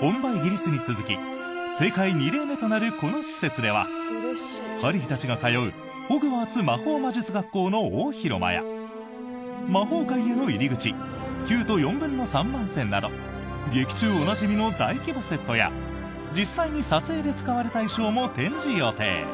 本場イギリスに続き世界２例目となるこの施設ではハリーたちが通うホグワーツ魔法魔術学校の大広間や魔法界への入り口９と４分の３番線など劇中おなじみの大規模セットや実際に撮影で使われた衣装も展示予定。